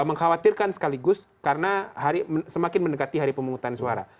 mengkhawatirkan sekaligus karena semakin mendekati hari pemungutan suara